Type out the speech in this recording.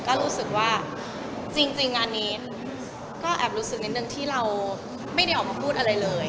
ก็รู้สึกว่าจริงงานนี้ก็แอบรู้สึกนิดนึงที่เราไม่ได้ออกมาพูดอะไรเลย